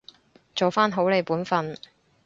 做返好你本分